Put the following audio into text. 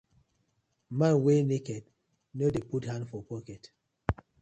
Man wey naked no dey put hand for pocket:.